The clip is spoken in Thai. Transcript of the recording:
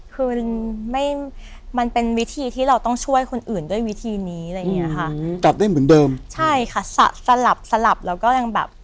คือมันไม่มันเป็นวิธีที่เราต้องช่วยคนอื่นด้วยวิธีนี้อะไรอย่างเงี้ยค่ะจับได้เหมือนเดิมใช่ค่ะสลับสลับแล้วก็ยังแบบ